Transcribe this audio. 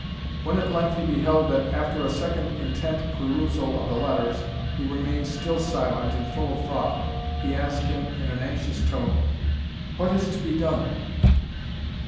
When at length he beheld that, after a second intent perusal of the letters, he remained still silent and full of thought, he asked him in an anxious tone, "What is to be done?"